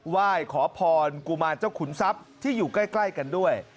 ไหว้ขอพรกุมารเจ้าขุนทรัพย์ที่อยู่ใกล้กันด้วย